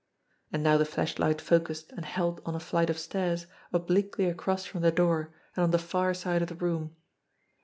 And now the flashlight focussed and held on c flight of stairs obliquely across from the door and on the far side of the room.